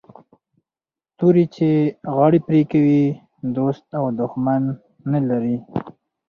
توري چي غاړي پرې کوي دوست او دښمن نه لري